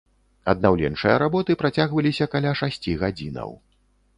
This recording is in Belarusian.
Аднаўленчыя работы працягваліся каля шасці гадзінаў.